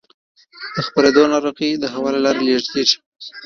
د خپرېدو ناروغۍ د هوا له لارې لېږدېږي.